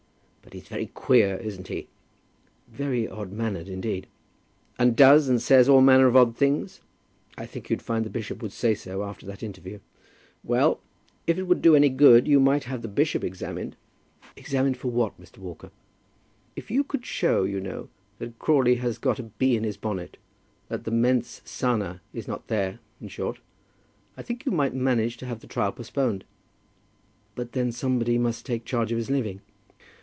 But he's very queer, isn't he?" "Very odd mannered indeed." "And does and says all manner of odd things?" "I think you'd find the bishop would say so after that interview." "Well; if it would do any good, you might have the bishop examined." "Examined for what, Mr. Walker?" "If you could show, you know, that Crawley has got a bee in his bonnet; that the mens sana is not there, in short; I think you might manage to have the trial postponed." "But then somebody must take charge of his living."